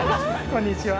こんにちは。